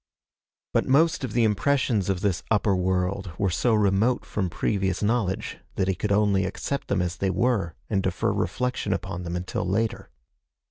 But most of the impressions of this upper world were so remote from previous knowledge that he could only accept them as they were and defer reflection upon them until later.